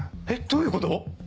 えっどういうこと